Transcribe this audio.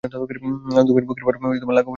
আনন্দময়ীর বুকের ভার লাঘব হইয়া গেল।